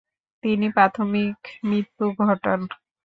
তিনি প্রাথমিক মৃত্যু ঘটান।